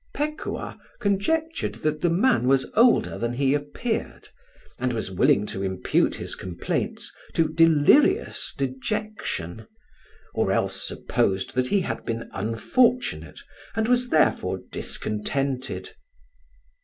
Pekuah conjectured that the man was older than he appeared, and was willing to impute his complaints to delirious dejection; or else supposed that he had been unfortunate, and was therefore discontented.